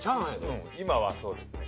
うん今はそうですね。